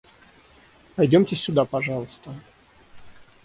Пойдемте сюда, пожалуйста.